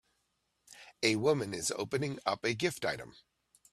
A woman is opening up a gift item